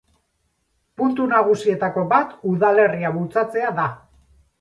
Puntu nagusietako bat udalerria bultzatzea da.